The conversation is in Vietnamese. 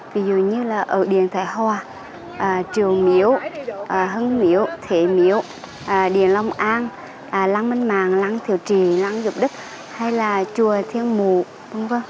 ví dụ như là ở điền thái hòa triều miễu hưng miễu thế miễu điền long an lăng minh màng lăng thiều trì lăng dục đức hay là chùa thiên mù v v